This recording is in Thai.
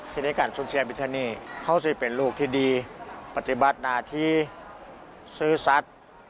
ทีนี้การสูญเสียบิทานีเขาสิเป็นลูกที่ดีปฏิบัติหน้าที่ซื่อสัตว์